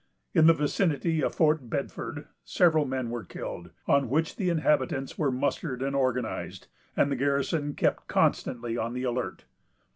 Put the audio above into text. In the vicinity of Fort Bedford, several men were killed; on which the inhabitants were mustered and organized, and the garrison kept constantly on the alert.